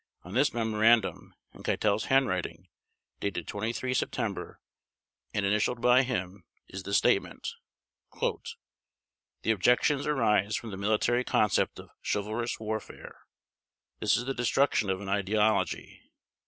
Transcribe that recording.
On this memorandum in Keitel's handwriting, dated 23 September and initialed by him, is the statement: "The objections arise from the military concept of chivalrous warfare. This is the destruction of an ideology.